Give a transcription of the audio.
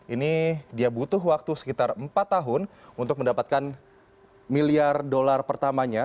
ini dia butuh waktu sekitar empat tahun untuk mendapatkan miliar dolar pertamanya